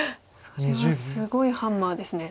それはすごいハンマーですね。